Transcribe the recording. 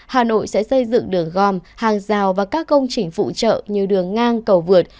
hà nội sẽ xây dựng đường gom hàng rào và các công trình phụ trợ như đường ngang cầu vượt